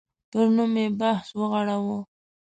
پر نوم یې بحث وغوړاوه.